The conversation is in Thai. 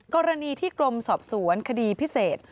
กรณีที่กรมสอบสวนคดีพิเศษ